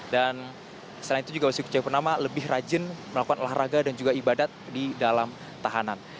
dan selain itu juga basuki ceyapurnama lebih rajin melakukan olahraga dan juga ibadat di dalam tahanan